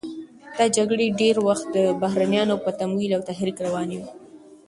دا جګړې ډېری وخت د بهرنیانو په تمویل او تحریک روانې وې.